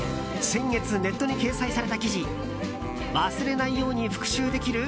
先月、ネットに掲載された記事「忘れないように復習できる！？